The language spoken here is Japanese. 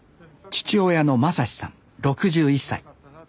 父親の正志さん６１歳。